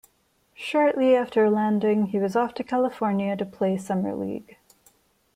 Shortly after landing, he was off to California to play Summer League.